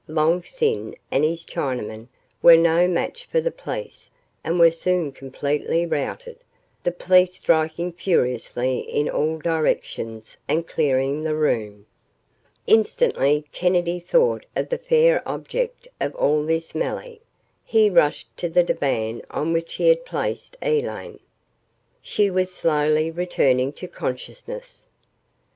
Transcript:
Long Sin and his Chinamen were no match for the police and were soon completely routed, the police striking furiously in all directions and clearing the room. Instantly, Kennedy thought of the fair object of all this melee. He rushed to the divan on which he had placed Elaine. She was slowly returning to consciousness.